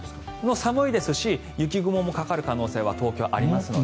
寒いですし雪雲もかかる可能性は東京、ありますので。